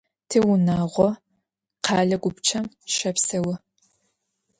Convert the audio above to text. Tiunağo khele gupçem şepseu.